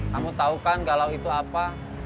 kamu tahu kan galau itu apa